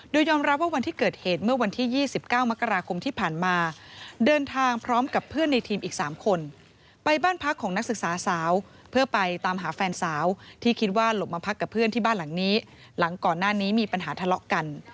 โดยยอมรับว่าวันที่เกิดเหตุเมื่อวันที่๒๙มกราคมที่ผ่านมาเดินทางพร้อมกับเพื่อนในทีมอีก๓คนไปบ้านพักของนักศึกษาสาวเพื่อไปตามหาแฟนสาวที่คิดว่าหลบมาพักกับเพื่อนที่บ้านหลังนี้หลังก่อนหน้านี้มีปัญหาทะเลาะกัน